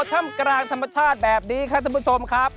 ถ้ำกลางธรรมชาติแบบนี้ครับท่านผู้ชมครับ